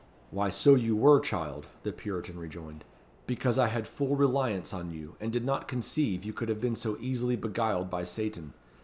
"Why so you were, child," the Puritan rejoined, "because I had full reliance on you, and did not conceive you could have been so easily beguiled by Satan.